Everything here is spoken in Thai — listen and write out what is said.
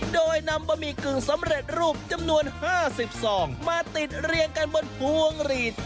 โดยนำบะหมี่กึ่งสำเร็จรูปจำนวน๕๐ซองมาติดเรียงกันบนพวงหลีด